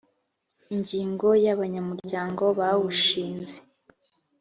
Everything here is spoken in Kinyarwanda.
ingingo ya abanyamuryango bawushinze